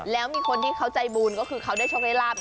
แล้วมีคนที่เขาใจบุญก็คือเขาได้โชคได้ลาบ